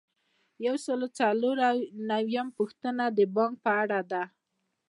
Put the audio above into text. یو سل او څلور نوي یمه پوښتنه د بانک په اړه ده.